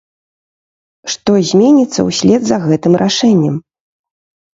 Што зменіцца ўслед за гэтым рашэннем?